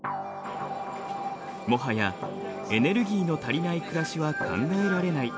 もはやエネルギーの足りない暮らしは考えられない。